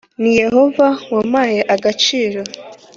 Ni Yehova wampaye agaciro